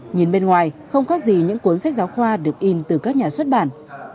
nhìn bên ngoài không khác gì những cuốn sách giáo khoa được in từ các nhà xuất bản